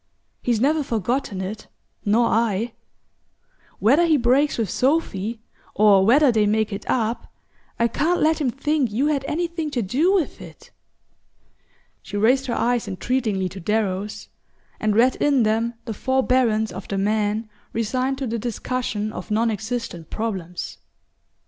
He's never forgotten it, nor I. Whether he breaks with Sophy, or whether they make it up, I can't let him think you had anything to do with it." She raised her eyes entreatingly to Darrow's, and read in them the forbearance of the man resigned to the discussion of non existent problems.